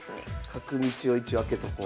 角道を一応開けとこう。